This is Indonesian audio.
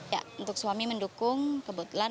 ya untuk suami mendukung kebetulan